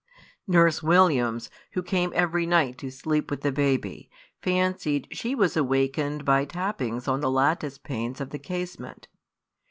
Nurse Williams, who came every night to sleep with the baby, fancied she was awakened by tappings on the lattice panes of the casement.